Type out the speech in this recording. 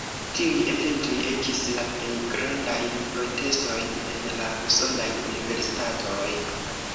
Tiuj eventoj ekis la plej grandajn protestojn en la usonaj universitatoj.